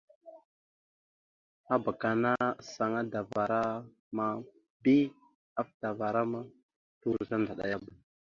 Abak ana asaŋ adavara ma bi afətavara ma turo tandaɗayaba.